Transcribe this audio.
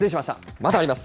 まだあります。